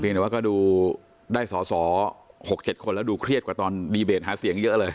แต่ว่าก็ดูได้สอสอ๖๗คนแล้วดูเครียดกว่าตอนดีเบตหาเสียงเยอะเลย